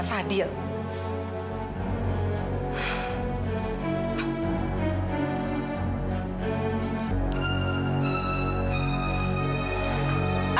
yang lagi ikut di institusinya